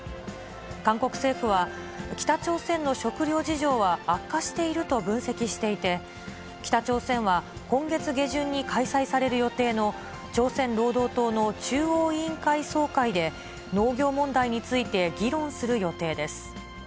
韓国政府は、北朝鮮の食糧事情は悪化していると分析していて、北朝鮮は今月下旬に開催される予定の朝鮮労働党の中央委員会総会で、農業問題について議論する予定です。